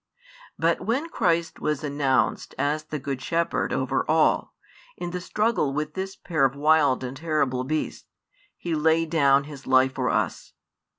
But when Christ was announced as the Good Shepherd over all, in the struggle with this pair of wild and terrible beasts, He laid down His life for us.